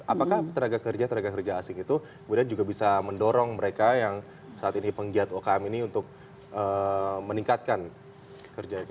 apakah tenaga kerja tenaga kerja asing itu kemudian juga bisa mendorong mereka yang saat ini penggiat ukm ini untuk meningkatkan kerjanya